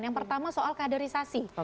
yang pertama soal kaderisasi